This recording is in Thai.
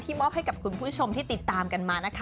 มอบให้กับคุณผู้ชมที่ติดตามกันมานะคะ